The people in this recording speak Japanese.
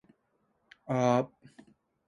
神奈川県山北町